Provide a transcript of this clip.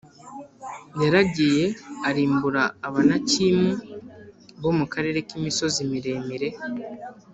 yaragiye arimbura Abanakimu bo mu karere k’imisozi miremire